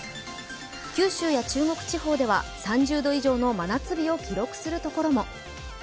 九州や中国地方では３０度以上の真夏日を記録するところも。